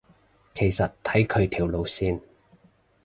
其實睇佢條路線